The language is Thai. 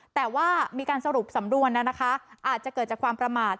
แต่ว่ามีการสรุปสำนวนนะคะอาจจะเกิดจากความประมาท